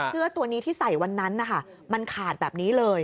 เสื้อตัวนี้ที่ใส่วันนั้นนะคะมันขาดแบบนี้เลย